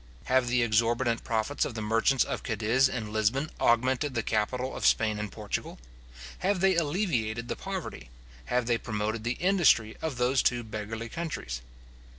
Have the exorbitant profits of the merchants of Cadiz and Lisbon augmented the capital of Spain and Portugal? Have they alleviated the poverty, have they promoted the industry, of those two beggarly countries?